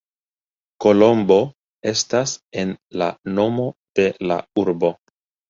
Kolombo estas en la nomo de la urbo.